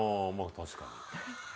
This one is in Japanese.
確かに。